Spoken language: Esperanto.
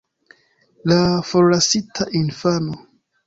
La forlasita infano.